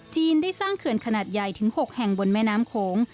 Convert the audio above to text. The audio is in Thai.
ได้สร้างเขื่อนขนาดใหญ่ถึง๖แห่งบนแม่น้ำโขง